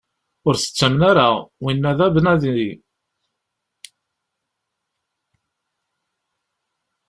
Ur t-ttamen ara, winna d abnadi!